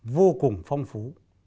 vô cùng phong phú